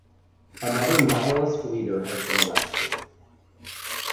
Another Nihilist leader has been arrested.